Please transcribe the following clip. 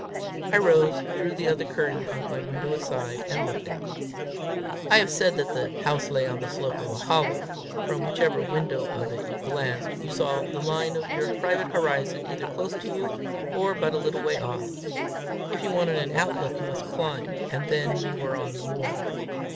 I rose, drew the other curtain of my window aside, and looked out. I have said that the house lay on the slope of a hollow: from whichever window of it you glanced, you saw the line of your private horizon either close to you, or but a little way off. If you wanted an outlook, you must climb; and then you were on the moor.